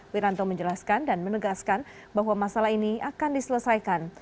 wiranto menjelaskan dan menegaskan bahwa masalah ini akan diselesaikan